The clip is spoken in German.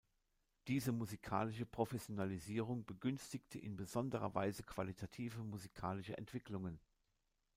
Diese musikalische Professionalisierung begünstigte in besonderer Weise qualitative musikalische Entwicklungen.